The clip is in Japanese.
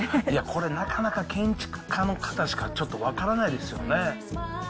いや、これ、なかなか建築家の方しか、ちょっと分からないですよね。